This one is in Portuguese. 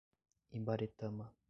Ibaretama